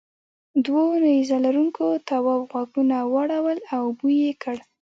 دوو نیزه لرونکو تواب غوږونه واړول او بوی یې کړ.